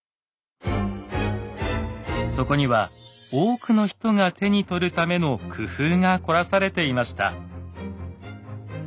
そこには多くの人が手に取るための工夫が凝らされていました。